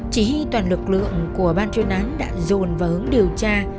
chỉ huy toàn lực lượng của ban chuyên án đã dồn vào hướng điều tra